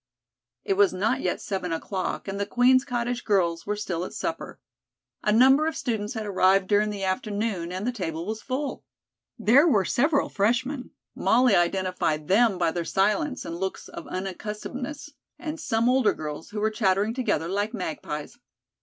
It was not yet seven o'clock, and the Queen's Cottage girls were still at supper. A number of students had arrived during the afternoon and the table was full. There were several freshmen; Molly identified them by their silence and looks of unaccustomedness, and some older girls, who were chattering together like magpies.